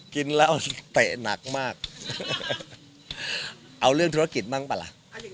กินแล้วเตะหนักมากเอาเรื่องธุรกิจบ้างป่ะล่ะ